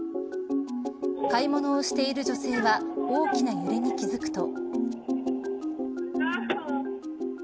買い物をしている女性は大きな揺れに気付くと。